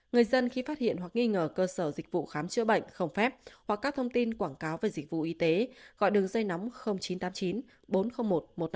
người dân khi phát hiện hoặc nghi ngờ cơ sở dịch vụ khám chữa bệnh không phép hoặc các thông tin quảng cáo về dịch vụ y tế gọi đường dây nóng chín trăm tám mươi chín bốn trăm linh một một trăm năm mươi